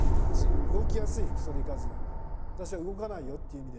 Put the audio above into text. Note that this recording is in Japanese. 動きやすい服装で行かず私は動かないよっていう意味で。